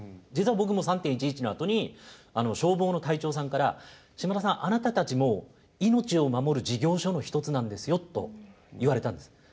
実は僕も３．１１のあとに消防の隊長さんから「島田さんあなたたちも命を守る事業所の一つなんですよ」と言われたんです。